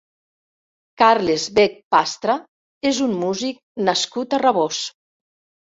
Carles Bech Pastra és un músic nascut a Rabós.